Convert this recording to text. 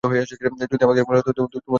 যদি আমাকে মেরে ফেল তোমাদের কোনো লাভ হবে না।